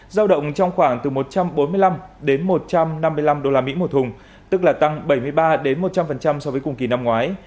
giao động trong khoảng từ một trăm bốn mươi năm đến một trăm năm mươi năm usd một thùng tức là tăng bảy mươi ba một trăm linh so với cùng kỳ năm ngoái